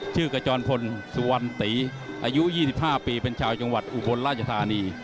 กระจรพลสุวรรณตีอายุ๒๕ปีเป็นชาวจังหวัดอุบลราชธานี